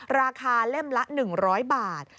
ราคาเล่มละ๑๐๐บาท